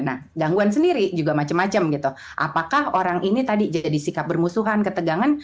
nah gangguan sendiri juga macam macam gitu apakah orang ini tadi jadi sikap bermusuhan ketegangan